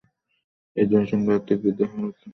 এর জনসংখ্যা ও আর্থিক বৃদ্ধির হার অত্যন্ত সীমিত ছিল।